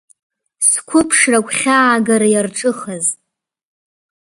Сқәыԥшра агәхьаагара иарҿыхаз…